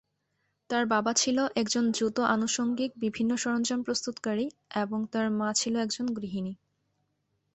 তার বাবা ছিলো একজন জুতো আনুষঙ্গিক বিভিন্ন সরঞ্জাম প্রস্তুতকারী এবং তার মা ছিলো একজন গৃহিণী।